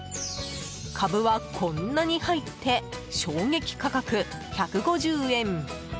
カブは、こんなに入って衝撃価格、１５０円。